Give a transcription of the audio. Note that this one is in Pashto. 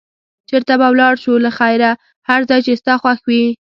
چېرته به ولاړ شو له خیره؟ هر ځای چې ستا خوښ وي.